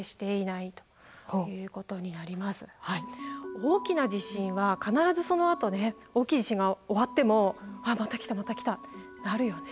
大きな地震は必ずそのあとね大きい地震が終わってもまた来たまた来たってなるよね。